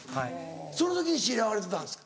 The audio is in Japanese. その時に知り合われてたんですか。